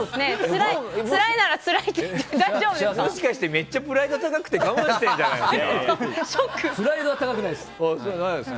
めっちゃプライド高くて我慢してるんじゃないですか？